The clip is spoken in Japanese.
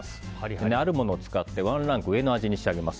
あるものを使ってワンランク上の味にします。